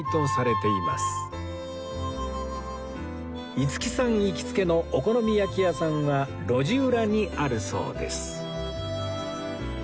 五木さん行きつけのお好み焼き屋さんは路地裏にあるそうです